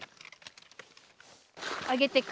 上げていく。